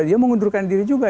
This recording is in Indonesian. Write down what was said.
dia mengundurkan diri juga